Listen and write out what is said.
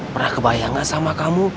pernah kebayangan sama kamu